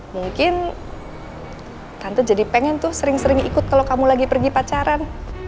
mungkin tante jadi pengen tuh sering sering ikut kalau kamu lagi pergi pacaran